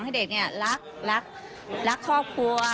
ให้เด็กรักครอบครัว